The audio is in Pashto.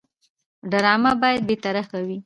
ډرامه باید بېطرفه وي